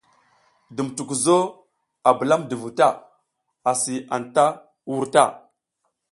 Dum tukuzo a bulamdi vu ta asi a anta wur.